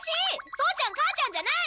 父ちゃん母ちゃんじゃない！